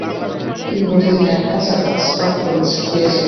তিনি প্রতিদিন এক হাজার আসপার পেয়েছিলেন।